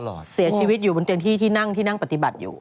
ซบเสียชีวิตอยู่เป็นที่ที่นั่งปฏิบัติอยู่